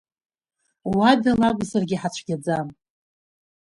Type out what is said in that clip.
Уадала акәзаргьы ҳацәгьаӡам.